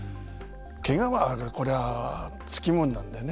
けがはこれはつきものなんでね。